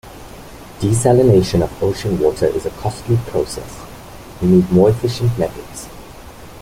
Desalination of ocean water is a costly process, we need more efficient methods.